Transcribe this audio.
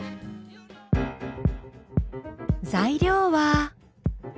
材料は。